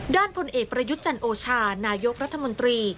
ด้านพลเอกประยุจจันโอชานายกรัฐมนตรี